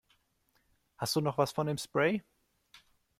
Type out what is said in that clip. Hast du noch was von dem Spray?